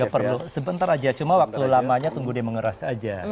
ya perlu sebentar aja cuma waktu lamanya tunggu dia mengeras aja